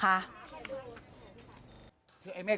พระต่ายสวดมนต์